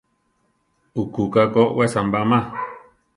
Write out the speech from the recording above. Ukuka ko we sambama.